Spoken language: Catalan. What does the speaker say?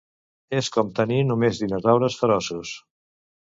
És com tenir només dinosaures feroços.